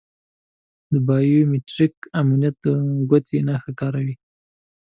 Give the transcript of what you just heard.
د بایو میتریک امنیت د ګوتې نښه کاروي.